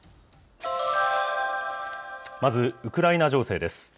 まずウクライナ情勢です。